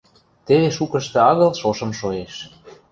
теве шукышты агыл шошым шоэш